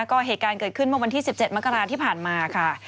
ก็เหตุการณ์เกิดขึ้นเมื่อวันที่๑๗มกราที่ผ่านมาค่ะ